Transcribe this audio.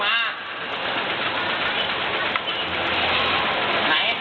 คุณบุรีนี่มันเป็นไร